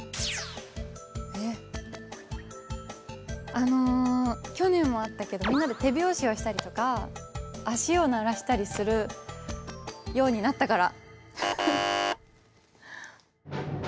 あの去年もあったけどみんなで手拍子をしたりとか足を鳴らしたりするようになったから。